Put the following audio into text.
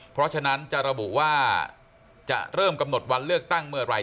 เพราะฉะนั้นจะระบุว่าจะเริ่มกำหนดวันเลือกตั้งเมื่อไหร่